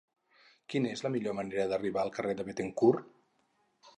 Quina és la millor manera d'arribar al carrer de Béthencourt?